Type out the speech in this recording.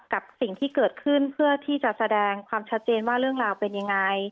กับสิ่งที่เกิดขึ้นเพื่อที่จะแสดงความชัดเจนว่าเรื่องราวเป็นยังไง